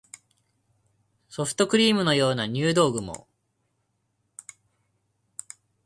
ソフトクリームのような入道雲